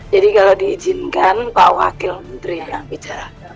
jadi kalau diizinkan pak wakil menteri yang bicara